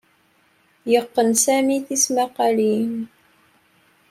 Yeqqen Sami tismaqalin.